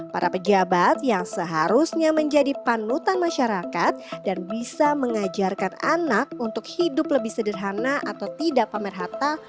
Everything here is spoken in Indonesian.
para pejabat yang seharusnya menjadi panutan masyarakat dan bisa mengajarkan anak untuk hidup lebih sederhana atau tidak pamer hatta